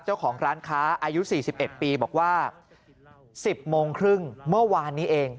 เจ้าของร้านค้าอายุ๔๑ปีบอกว่า๑๐โมงครึ่งเมื่อวานนี้เอง